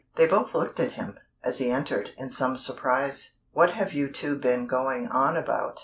They both looked at him, as he entered, in some surprise. "What have you two been going on about?"